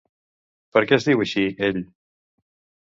Per què es diu així ell?